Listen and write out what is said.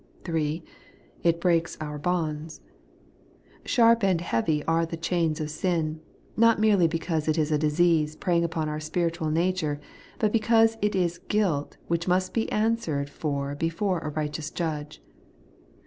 3. It breaks our bonds. Sharp and heavy are the chains of sin; not merely because it is a disease preying upon our spiritual nature, but because it is guilt which must be answered for before a righteous Judge.